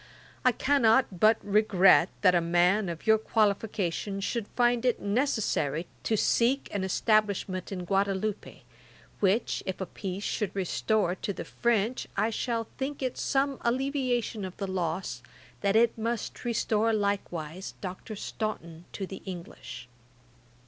I cannot but regret that a man of your qualifications should find it necessary to seek an establishment in Guadaloupe, which if a peace should restore to the French, I shall think it some alleviation of the loss, that it must restore likewise Dr. Staunton to the English.